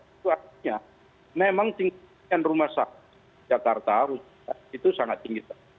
itu artinya memang tingkatan rumah sakit jakarta harus sangat tinggi